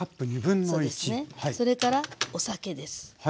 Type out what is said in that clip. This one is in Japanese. それからお酒です。